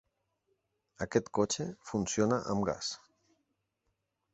Aquest cotxe funciona amb gas.